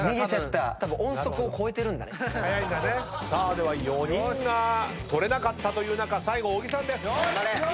では４人が取れなかったという中最後小木さんです。